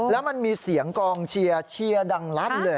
แล้วมันมีเสียงกองเชียร์เชียร์ดังลั่นเลย